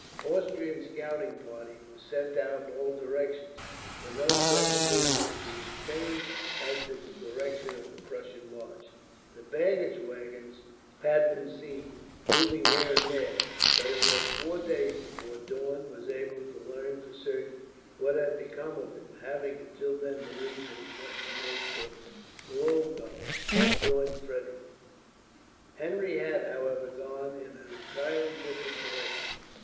Austrian scouting parties were sent out in all directions, but no certain news could be obtained as to the direction of the Prussian march. The baggage waggons had been seen, moving here and there, but it was four days before Daun was able to learn for certain what had become of him, having until then believed that he must have made for Glogau, to join Frederick. Henry had, however, gone in an entirely different direction.